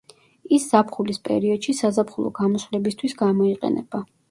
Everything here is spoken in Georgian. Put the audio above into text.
ის ზაფხულის პერიოდში საზაფხულო გამოსვლებისთვის გამოიყენება.